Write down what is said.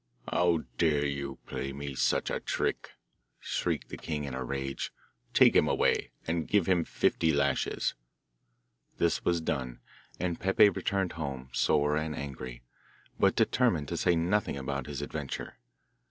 'How dare you play me such a trick?' shrieked the king in a rage. 'Take him away, and give him fifty lashes.' This was done, and Peppe returned home, sore and angry, but determined to say nothing about his adventure.